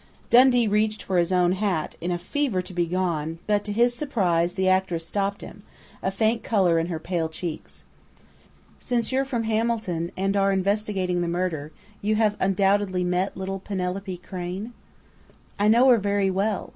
Dundee reached for his own hat, in a fever to be gone, but to his surprise the actress stopped him, a faint color in her pale cheeks. "Since you're from Hamilton, and are investigating the murder, you have undoubtedly met little Penelope Crain?" "I know her very well.